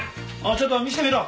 ちょっと診せてみろ。